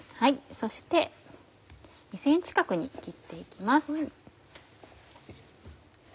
そして２ｃｍ角に切って行きます。